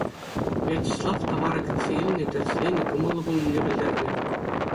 Вячеслав тавара кӗтсе илнӗ, тӗрӗсленӗ, кӑмӑллӑ пулнине пӗлтернӗ.